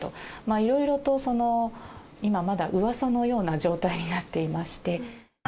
いろいろと今、まだうわさのような状態になっていまして。